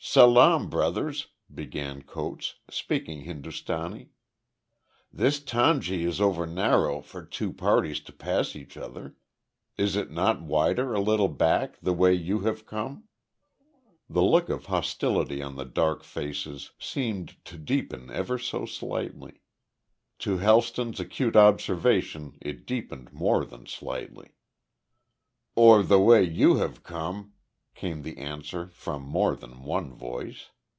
"Salaam, brothers," began Coates, speaking Hindustani: "This tangi is over narrow for two parties to pass each other. Is it not wider a little back, the way you have come?" The look of hostility on the dark faces seemed to deepen ever so slightly. To Helston's acute observation it deepened more than slightly. "Or the way you have come," came the answer from more than one voice.